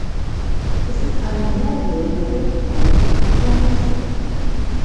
Es ist eine mehrjährige krautige Pflanze.